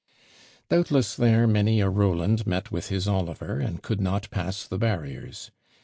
Doubtless there many a Roland met with his Oliver, and could not pass the barriers.